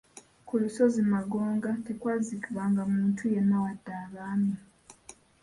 Ku lusozi Magonga tekwaziikibwanga muntu yenna wadde abaami .